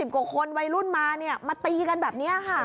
กว่าคนวัยรุ่นมามาตีกันแบบนี้ค่ะ